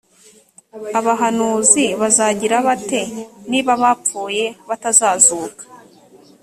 abahanuzi bazagira bate niba abapfuye batazazuka.